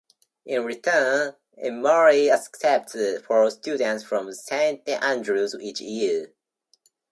In return, Emory accepts four students from Saint Andrews each year.